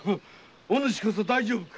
おぬしこそ大丈夫か？